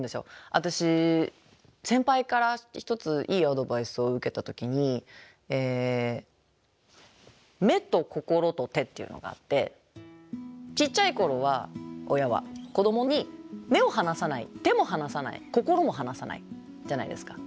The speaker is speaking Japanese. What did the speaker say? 私先輩から一ついいアドバイスを受けた時に「目と心と手」っていうのがあってちっちゃい頃は親は子どもに目を離さない手も離さない心も離さないじゃないですか。